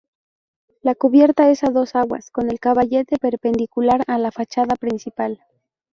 La cubierta es a dos aguas, con el caballete perpendicular a la fachada principal.